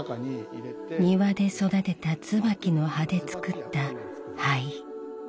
庭で育てた椿の葉で作った灰。